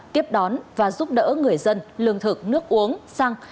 tiếp đón và giúp đỡ người dân lương thực nước uống xăng